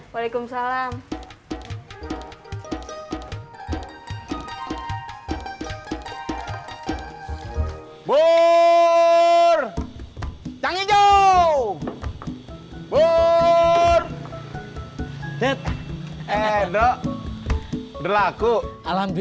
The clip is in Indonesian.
waalaikumsalam pak haji